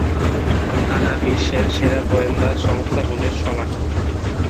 তারা বিশ্বের সেরা গোয়েন্দা সংস্থাগুলির সমান।